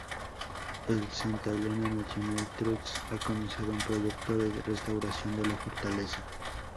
El Santa Elena National Trust ha comenzado un proyecto de restauración de la fortaleza.